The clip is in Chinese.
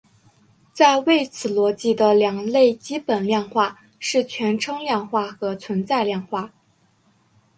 在谓词逻辑的两类基本量化是全称量化和存在量化。